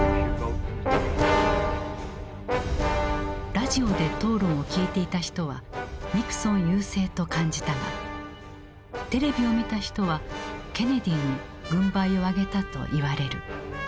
ラジオで討論を聴いていた人はニクソン優勢と感じたがテレビを見た人はケネディに軍配を上げたと言われる。